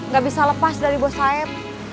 gak bisa lepas dari bos sayap